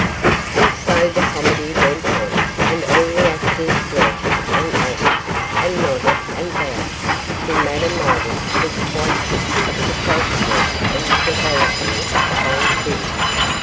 And so the comedy went on, and all the actors flirted, and ogled, and nodded, and bowed, till Madame Midas was quite sick of the falseness and frivolity of the whole thing.